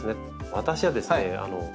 私はですね